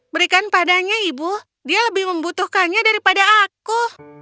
berikan padanya ibu dia lebih membutuhkannya daripada aku